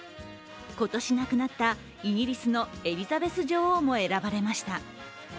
今年亡くなったイギリスのエリザベス女王も選ばれました。